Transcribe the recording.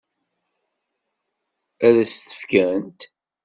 Ad s-t-fkent?